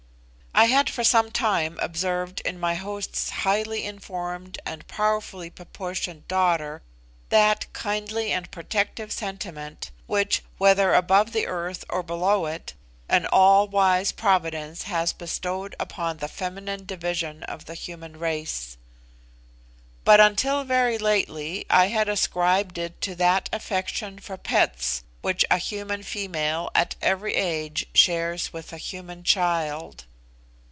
I had for some time observed in my host's highly informed and powerfully proportioned daughter that kindly and protective sentiment which, whether above the earth or below it, an all wise Providence has bestowed upon the feminine division of the human race. But until very lately I had ascribed it to that affection for 'pets' which a human female at every age shares with a human child.